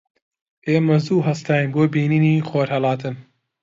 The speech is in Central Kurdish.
ئێمە زوو هەستاین بۆ بینینی خۆرهەڵاتن.